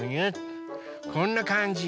こんなかんじ。